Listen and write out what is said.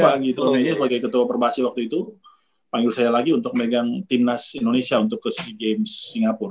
pak anggito omimanyu ketua perbahasi waktu itu panggil saya lagi untuk megang timnas indonesia untuk ke sea games singapura